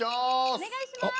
お願いします。